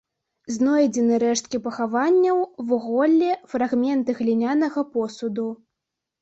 Знойдзены рэшткі пахаванняў, вуголле, фрагменты глінянага посуду.